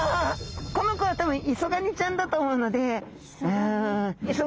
この子は多分イソガニちゃんだと思うので横歩き。